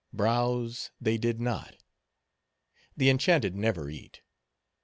Browse, they did not—the enchanted never eat.